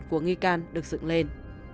của nghi can được dựng lên